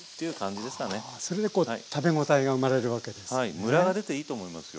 ムラが出ていいと思いますよ。